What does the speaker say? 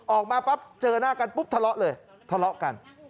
ออกมาปั๊บเจอหน้ากันปุ๊บทะเลาะเลยทะเลาะกัน